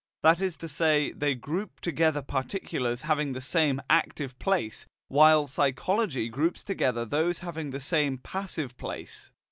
That is to say, they group together particulars having the same "active" place, while psychology groups together those having the same "passive" place.